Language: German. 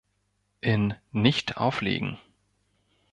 In "Nicht auflegen!